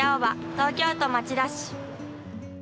東京都町田市。